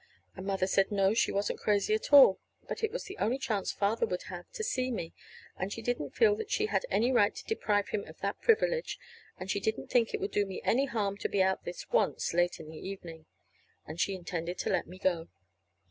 And Mother said no, she wasn't crazy at all; but it was the only chance Father would have to see me, and she didn't feel that she had any right to deprive him of that privilege, and she didn't think it would do me any harm to be out this once late in the evening. And she intended to let me go.